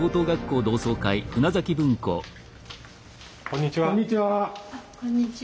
こんにちは。